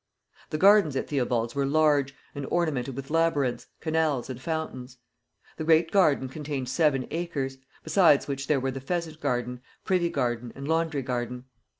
The gardens at Theobald's were large, and ornamented with labyrinths, canals and fountains. The great garden contained seven acres; besides which there were the pheasant garden, privy garden, and laundry garden.